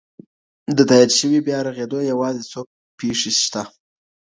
د تایید شوي بیا رغیدو یوازې څو پیښې شته.